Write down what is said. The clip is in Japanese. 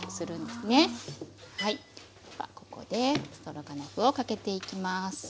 ではここでストロガノフをかけていきます。